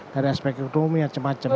dari aspek ekonomi macam macam